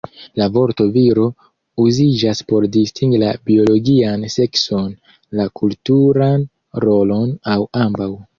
La vorto "viro" uziĝas por distingi la biologian sekson, la kulturan rolon aŭ ambaŭ.